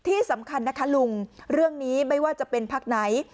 ที่สำคัญนะคะลุงเรื่องนี้ไม่ว่าจะเป็นพักไหน